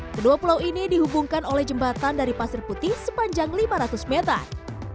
kedua pulau ini dihubungkan oleh jembatan dari pasir putih sepanjang lima ratus meter